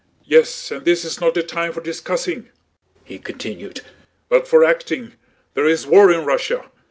"Yes, and this is not a time for discussing," he continued, "but for acting: there is war in Russia!